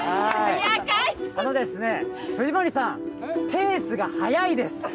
藤森さん、ペースが早いです。